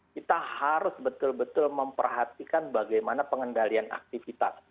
kita harus betul betul memperhatikan bagaimana pengendalian aktivitas